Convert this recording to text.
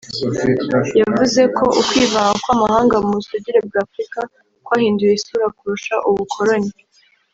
yavuze ko ukwivanga kw’amahanga mu busugire bw’Afurika kwahinduye isura kurusha ubukoloni